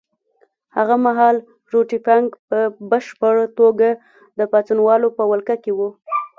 هغه مهال روټي فنک په بشپړه توګه د پاڅونوالو په ولکه کې وو.